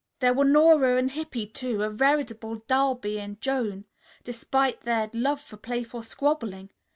There were Nora and Hippy, too, a veritable Darby and Joan, despite their love for playful squabbling.